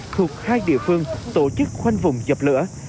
thuộc hai địa phương tổ chức khoanh vùng dập lửa